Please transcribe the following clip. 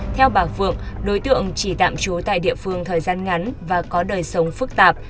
theo bà phượng đối tượng chỉ tạm trú tại địa phương thời gian ngắn và có đời sống phức tạp